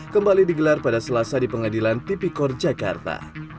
kembali digelar pada selasa di pengadilan tipikor jakarta